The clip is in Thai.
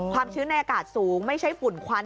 ชื้นในอากาศสูงไม่ใช่ฝุ่นควัน